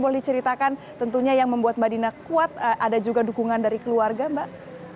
boleh ceritakan tentunya yang membuat badinah kuat ada juga dukungan dari keluarga mbak